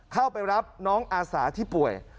เข้าไปรับน้องอาสาที่ป่วย